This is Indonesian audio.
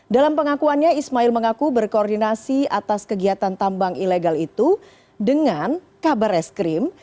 dalam pengakuannya ismail mengaku berkoordinasi atas kegiatan tambang ilegal itu dengan kabar eskrim